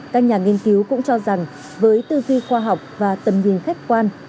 các nhà nghiên cứu cũng cho rằng với tư duy khoa học và tầm nhìn khách quan